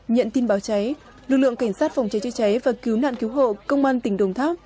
nhận tin báo cháy lực lượng cảnh sát phòng cháy chữa cháy và cứu nạn cứu hộ công an tỉnh đồng tháp